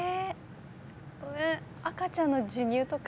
赤ちゃんの授乳とか？